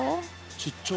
ちっちゃ。